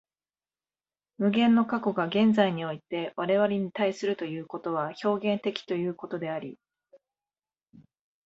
無限の過去が現在において我々に対するということは表現的ということであり、